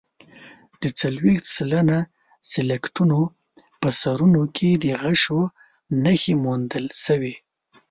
د څلوېښت سلنه سکلیټونو په سرونو کې د غشو نښې وموندل شوې.